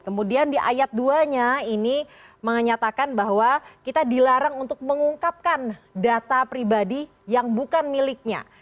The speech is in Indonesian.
kemudian di ayat dua nya ini menyatakan bahwa kita dilarang untuk mengungkapkan data pribadi yang bukan miliknya